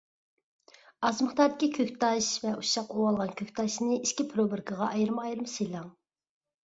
ئاز مىقداردىكى كۆكتاش ۋە ئۇششاق ئۇۋالغان كۆكتاشنى ئىككى پروبىركىغا ئايرىم-ئايرىم سېلىڭ.